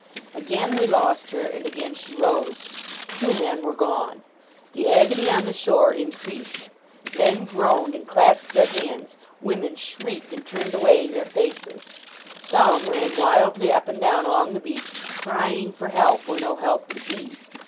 Again we lost her, and again she rose. Two men were gone. The agony on the shore increased. Men groaned, and clasped their hands; women shrieked, and turned away their faces. Some ran wildly up and down along the beach, crying for help where no help could be.